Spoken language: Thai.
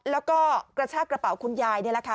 แล้วก็กระชากระเป๋าคุณยายนี่แหละค่ะ